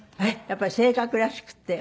やっぱり性格らしくて。